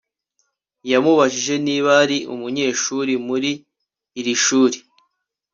yamubajije niba ari umunyeshuri muri iri shuri